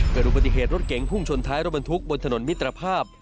เกิดอุบัติเหตุรถเก๋งพุ่งชนท้ายรถบรรทุกบนถนนมิตรภาพ